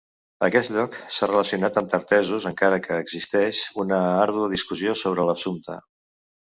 Aquest lloc s'ha relacionat amb Tartessos, encara que existeix una àrdua discussió sobre l'assumpte.